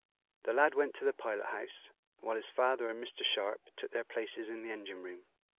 The lad went to the pilot house, while his father and Mr. Sharp took their places in the engine room.